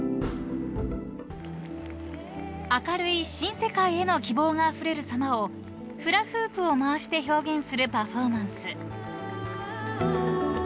［明るい新世界への希望があふれるさまをフラフープを回して表現するパフォーマンス］